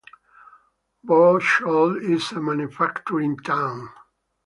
Bocholt is a manufacturing town.